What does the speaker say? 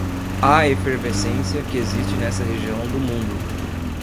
à efervescência que existe nesta região do mundo